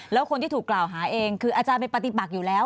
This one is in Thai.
แล้วคนที่ถูกกล่าวหาเองคืออาจารย์ไปปฏิบัติอยู่แล้ว